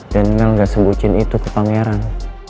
dan mel gak sembucin itu ke pangeran